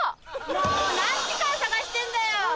もう何時間捜してんだよ！